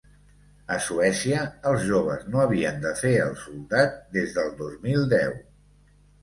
A Suècia els joves no havien de fer el soldat des del dos mil deu.